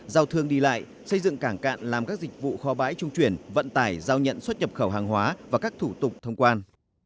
giao thương đi lại xây dựng cảng cạn làm các dịch vụ kho bãi trung chuyển vận tải giao nhận xuất nhập khẩu hàng hóa và các thủ tục thông quan